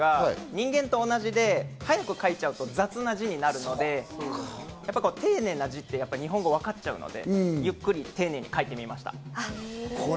もっと早く書くことができますが人間と同じで早く書いちゃうと雑な字になっちゃうので、丁寧な字っていうのはわかっちゃうので、ゆっくり丁寧に書いてみました。